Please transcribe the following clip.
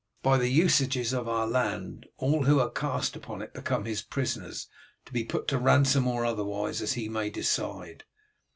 By the usages of our land all who are cast upon it become his prisoners, to be put to ransom or otherwise as he may decide.